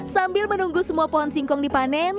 sambil menunggu semua pohon singkong dipanen